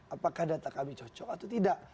apakah data kami cocok atau tidak